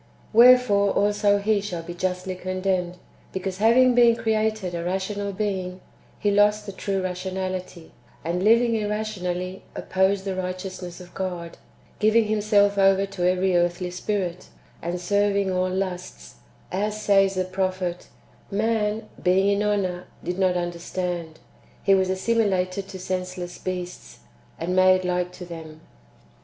Wherefore also he shall be justly con demned, because, having been created a rational being, he lost the true rationality, and living irrationally, opposed the righteousness of God, giving himself over to every earthly spirit, and serving all lusts ; as says the prophet, ^' Man, being in honour, did not understand : he was assimilated to sense less beasts, and made like to them."